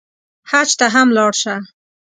حج ته هم لاړ شه.